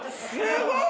すごい。